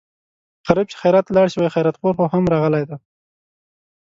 غریب چې خیرات ته لاړ شي وايي خیراتخور خو هم راغلی دی.